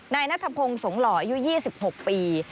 นายนัทพงศ์สงหล่ออายุ๒๖ปี